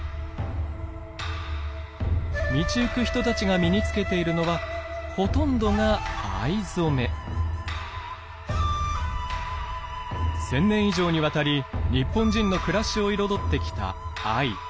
道行く人たちが身に着けているのはほとんどが１，０００年以上にわたり日本人の暮らしを彩ってきた藍。